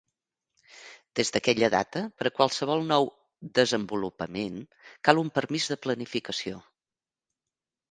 Des d'aquella data, per a qualsevol nou "desenvolupament" cal un permís de planificació.